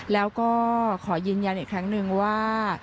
แล้วก็ขอยืนยันอีกครั้งนึงว่า